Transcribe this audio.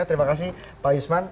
terima kasih pak yusman